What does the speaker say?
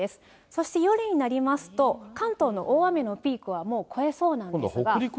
そして夜になりますと、関東の大雨のピークはもう超えそうなんですが。